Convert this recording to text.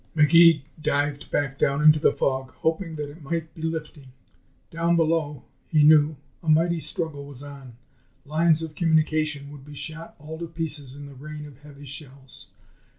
McGee dived back down into the fog, hoping that it might be lifting. Down below, he knew, a mighty struggle was on. Lines of communication would be shot all to pieces in the rain of heavy shells.